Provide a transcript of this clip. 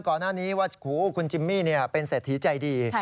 ก่อนหน้านี้ว่าคุณจิมมี่เป็นเศรษฐีใจดี